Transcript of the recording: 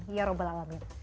ya rabbal alamin